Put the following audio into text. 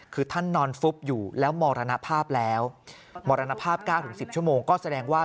คือท่านนอนฟุบอยู่แล้วมรณภาพแล้วมรณภาพ๙๑๐ชั่วโมงก็แสดงว่า